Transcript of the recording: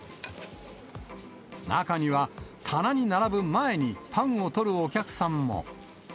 中には、棚に並ぶ前にパンを取るお客さんも。